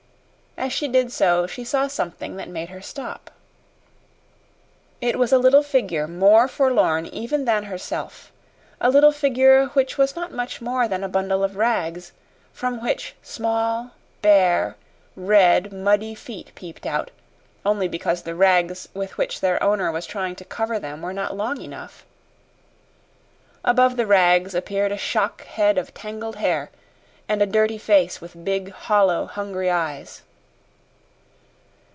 As she did so she saw something that made her stop. It was a little figure more forlorn even than herself a little figure which was not much more than a bundle of rags, from which small, bare, red muddy feet peeped out, only because the rags with which their owner was trying to cover them were not long enough. Above the rags appeared a shock head of tangled hair, and a dirty face with big, hollow, hungry eyes.